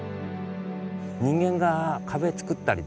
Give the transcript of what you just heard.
人間が壁作ったりですね